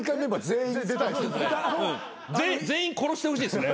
全員殺してほしいっすね。